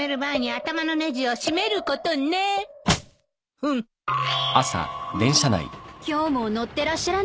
うん今日も乗ってらっしゃらないみたい。